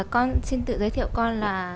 con xin tự giới thiệu con là